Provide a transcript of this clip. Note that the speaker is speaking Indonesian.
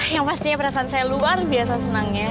yang pastinya perasaan saya luar biasa senangnya